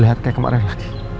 lihat kayak kemarin lagi